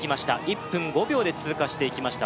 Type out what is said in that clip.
１分５秒で通過していきました